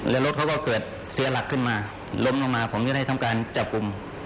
แล้วรถเขาก็เกิดเสียหลักขึ้นมาล้มลงมาผมจะได้ทำการจับกลุ่ม